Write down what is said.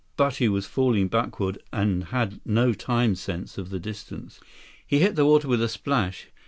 But he was falling backward and had no time sense of the distance. He hit the water with a splash.